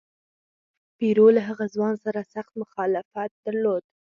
پیرو له هغه ځوان سره سخت مخالفت درلود.